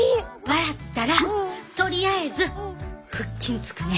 笑ったらとりあえず腹筋つくね。